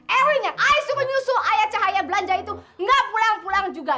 ewi nya saya suruh nyusul ayah cahaya belanja itu gak pulang pulang juga